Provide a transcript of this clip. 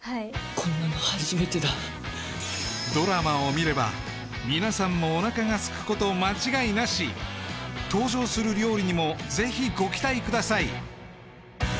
こんなの初めてだドラマを見れば皆さんもおなかがすくこと間違いなし登場する料理にもぜひご期待ください